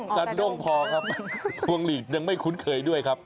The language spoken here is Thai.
กระด้งพอครับพวงหลีดยังไม่คุ้นเคยด้วยครับ